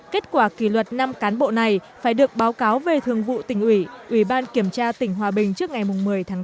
kết quả kỷ luật năm cán bộ này phải được báo cáo về thường vụ tỉnh ủy ủy ban kiểm tra tỉnh hòa bình trước ngày một mươi tháng tám